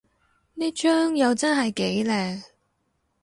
呢張又真係幾靚